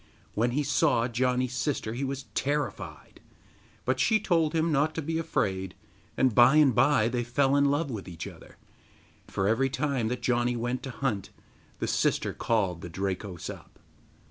When he saw Janni's sister he was terrified, but she told him not to be afraid, and by and by they fell in love with each other, for every time that Janni went to hunt the sister called the Drakos up.